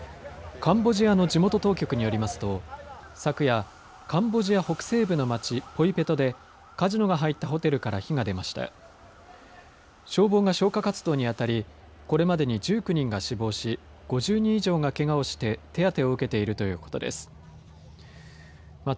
カンボジアの地元当局によりますと昨夜カンボジア北西部の町ポイペトでカジノが入ったホテルから火が出ました。